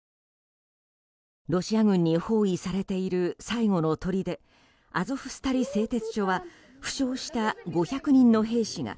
ロシア軍に包囲されている最後のとりでアゾフスタリ製鉄所は負傷した５００人の兵士が